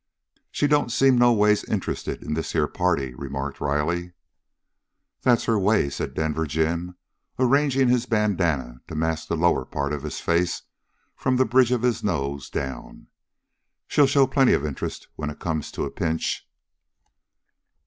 "She don't seem noways interested in this here party," remarked Riley. "That's her way," said Denver Jim, arranging his bandanna to mask the lower part of his face from the bridge of his nose down. "She'll show plenty of interest when it comes to a pinch."